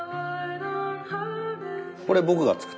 これ僕が作った。